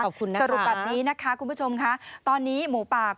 สรุปแบบนี้นะคะคุณผู้ชมค่ะตอนนี้หมูปาก